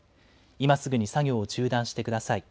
今すぐに作業を中断してください。